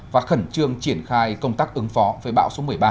và khẩn trương triển khai công tác ứng phó với bão số một mươi ba